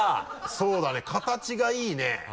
そうだね形がいいね。